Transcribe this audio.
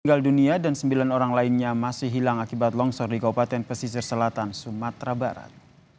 meninggal dunia dan sembilan orang lainnya masih hilang akibat longsor di kabupaten pesisir selatan sumatera barat